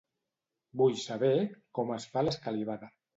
Vull saber com es fa l'escalivada.